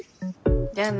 じゃあね。